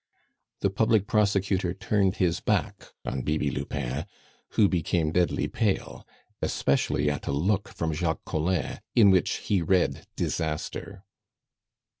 The public prosecutor turned his back on Bibi Lupin, who became deadly pale, especially at a look from Jacques Collin, in which he read disaster.